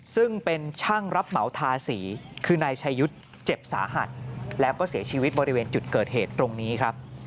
ซึ่งเป็นช่างรับเหมาทาสีคือนายชายุทธ์เจ็บสาหัสแล้วก็เสียชีวิตบริเวณจุดเกิดเหตุตรงนี้ครับ